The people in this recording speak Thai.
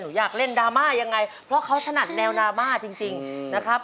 อยากเล่นดราม่ายังไงเพราะเขาถนัดแนวดราม่าจริงนะครับ